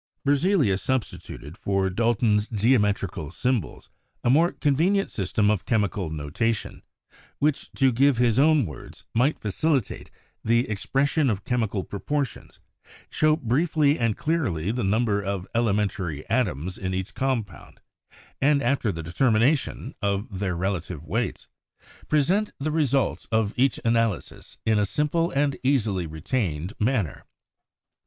Berzelius substituted for Dalton's geometrical symbols a more convenient system of chemical notation, which, to give his own words, "might facilitate the expression of chemical proportions, show briefly and clearly the number of elementary atoms in each compound, and after the determination of their relative weights, present the results 208 CHEMISTRY of each analysis in a simple and easily retained manner."